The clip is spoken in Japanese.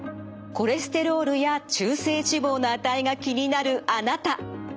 コレステロールや中性脂肪の値が気になるあなた！